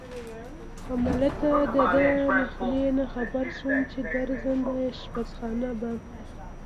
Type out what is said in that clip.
همالته د ده له خولې نه خبر شوم چې ګرځنده اشپزخانه به.